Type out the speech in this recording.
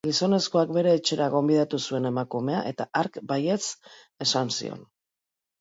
Gizonezkoak bere etxera gonbidatu zuen emakumea, eta hark baietz esan zion.